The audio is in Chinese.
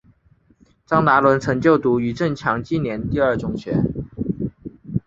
张达伦曾就读余振强纪念第二中学。